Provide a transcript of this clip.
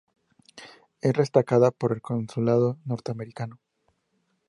Es rescatada por el consulado norteamericano.